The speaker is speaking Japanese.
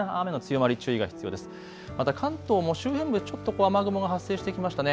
また関東も周辺部、ちょっと雨雲が発生してきましたね。